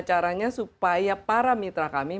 caranya supaya para mitra kami